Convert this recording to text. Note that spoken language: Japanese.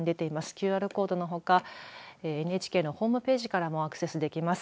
ＱＲコードほかＮＨＫのホームページからもアクセスできます。